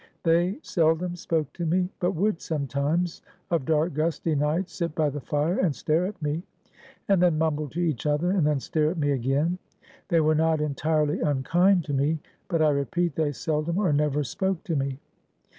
They seldom spoke to me; but would sometimes, of dark, gusty nights, sit by the fire and stare at me, and then mumble to each other, and then stare at me again. They were not entirely unkind to me; but, I repeat, they seldom or never spoke to me.